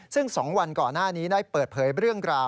ซึ่ง๒วันก่อนหน้านี้ได้เปิดเผยเรื่องราว